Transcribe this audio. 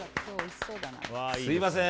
すみません。